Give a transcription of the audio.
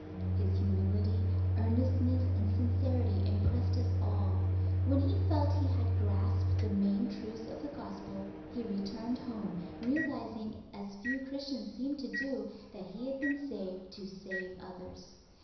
His humility, earnestness, and sincerity impressed us all. When he felt he had grasped the main truths of the Gospel he returned home realizing as few Christians seem to do, that he had been saved to save others.